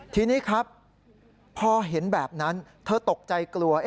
ทีนี้ครับพอเห็นแบบนั้นเธอตกใจกลัว